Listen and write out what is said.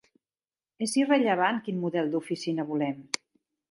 És irrellevant quin model d'oficina volem.